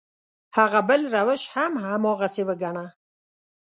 هغه بل روش هم هماغسې وګڼه.